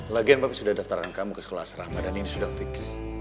lagi lagi papi sudah daftarkan kamu ke sekolah asrama dan ini sudah fix